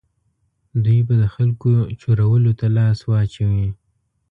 دوی به د خلکو چورولو ته لاس واچوي.